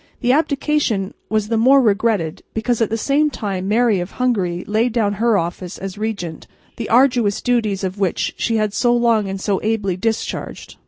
The abdication was the more regretted because at the same time Mary of Hungary laid down her office as regent, the arduous duties of which she had so long and so ably discharged.